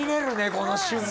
この瞬間。